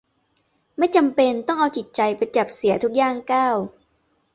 ไม่จำเป็นต้องเอาจิตใจไปจับเสียทุกย่างก้าว